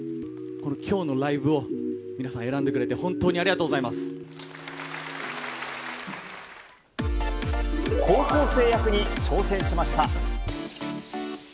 このきょうのライブを、皆さん選んでくれて本当にありがとうござ高校生役に挑戦しました。